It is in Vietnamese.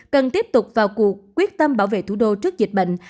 cần tiếp tục vào cuộc quyết tâm bảo vệ thủ đô trước dịch bệnh